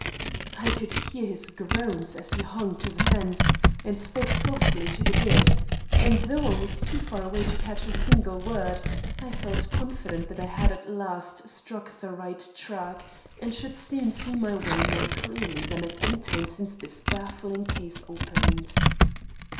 I could hear his groans as he hung to the fence and spoke softly to the dead; and though I was too far away to catch a single word, I felt confident that I had at last struck the right track, and should soon see my way more clearly than at any time since this baffling case opened.